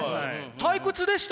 退屈でした？